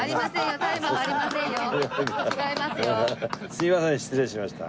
すみません失礼しました。